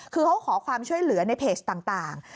คือเขาขอความช่วยเหลือในเพจต่าง